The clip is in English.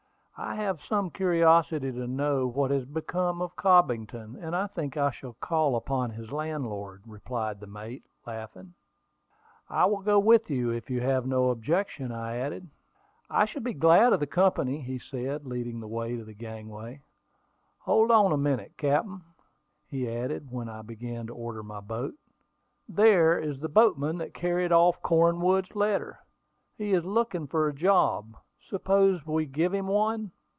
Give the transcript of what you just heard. "I have some curiosity to know what has become of Cobbington; and I think I shall call upon his landlord," replied the mate, laughing. "I will go with you, if you have no objection," I added. "I should be glad of your company," said he, leading the way to the gangway. "Hold on a minute, captain," he added, when I began to order my boat. "There is the boatman that carried off Cornwood's letter. He is looking for a job: suppose we give him one?"